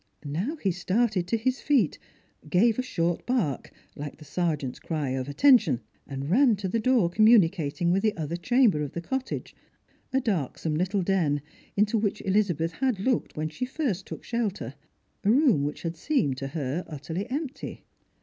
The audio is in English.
Now he started to his feet, gave his short bark, like tht sergeant's cry of " Attention !" and ran to the door communi* eating with the other chamber of the cottage ; a darksome little den, into which Elizabeth had looked when she first took shelter ; a room which had seemed to her utterly empty.